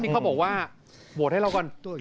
เขาบอกว่าโหวตให้เราก่อน